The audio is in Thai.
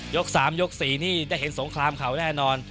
๓ยก๔นี่ได้เห็นสงครามเขาแน่นอน